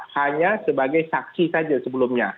hanya sebagai saksi saja sebelumnya